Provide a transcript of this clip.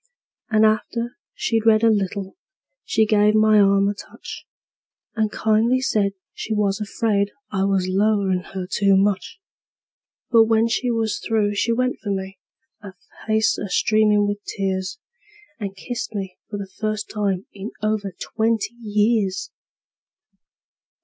And after she'd read a little she give my arm a touch, And kindly said she was afraid I was 'lowin' her too much; But when she was through she went for me, her face a streamin' with tears, And kissed me for the first time in over twenty years!